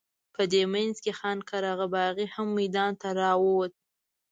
په دې منځ کې خان قره باغي هم میدان ته راووت.